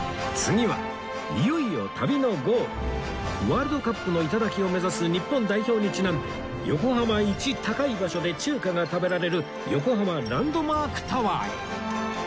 ワールドカップの頂を目指す日本代表にちなんで横浜一高い場所で中華が食べられる横浜ランドマークタワーへ